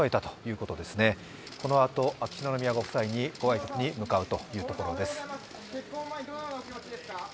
このあと秋篠宮ご夫妻にご挨拶に向かうというところです。